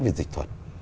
về dịch thuật